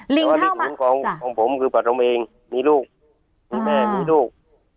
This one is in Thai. แต่ว่าที่ศูนย์ของผมคือประธมเองมีลูกมีแม่มีลูก